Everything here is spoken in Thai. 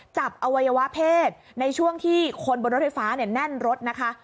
อวัยวะเพศในช่วงที่คนบนรถไฟฟ้าแน่นรถนะคะ